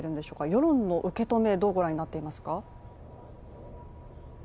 世論の受け止め、どうご覧になっていますか？